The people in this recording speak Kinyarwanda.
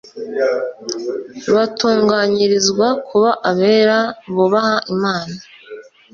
batunganyirizwa kuba abera bubaha imana